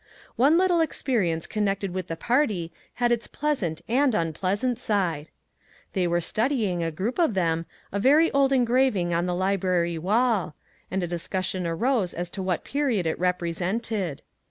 One little experience connected with the party had its pleasant and unpleasant side. They were studying, a group of them, a very old engraving on the library wall, and a discus sion arose as to what period it represented.